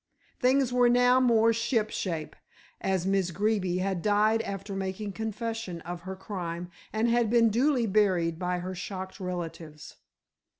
Things were now more ship shape, as Miss Greeby had died after making confession of her crime and had been duly buried by her shocked relatives.